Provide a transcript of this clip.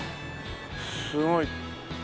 すごい。